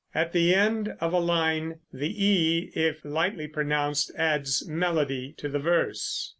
At the end of a line the e, if lightly pronounced, adds melody to the verse.